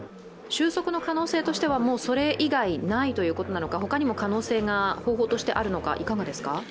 収束の可能性としてはそれ以外ないということなのか他にも可能性が方法としてあるのか、いかがですか？